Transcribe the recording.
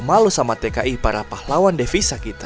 malu sama tki para pahlawan devisa kita